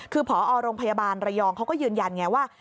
คือพอโรงพยาบาลระยองเขาก็ยืนยันไงว่า